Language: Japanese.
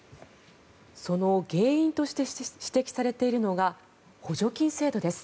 その原因として指摘されているのが補助金制度です。